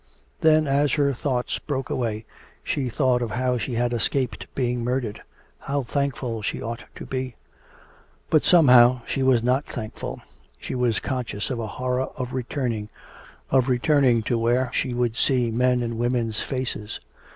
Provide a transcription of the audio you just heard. Then, as her thoughts broke away, she thought of how she had escaped being murdered. How thankful she ought to be! But somehow she was not thankful. She was conscious of a horror of returning, of returning to where she would see men and women's faces.